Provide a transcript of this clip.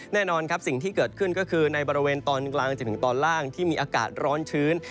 แน่นอนครับสิ่งที่เกิดขึ้นก็คือในบริเวณตอนกลางจนถึงตอนล่างที่มีอากาศร้อนชื้น